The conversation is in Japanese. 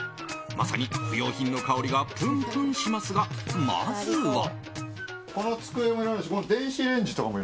まさに不用品の香りがプンプンしますが、まずは。